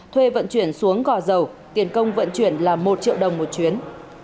thuê vận chuyển xuống gò dầu tiền công vận chuyển là một triệu đồng một chuyến